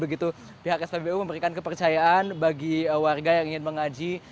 begitu pihak spbu memberikan kepercayaan bagi warga yang ingin mengaji